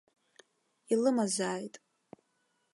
Илымазааит.